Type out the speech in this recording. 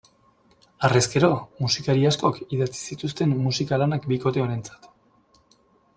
Harrezkero, musikari askok idatzi zituzten musika-lanak bikote honentzat.